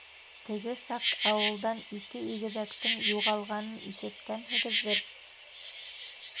Теге саҡ ауылдан ике игеҙәктең юғалғанын ишеткәнһегеҙҙер?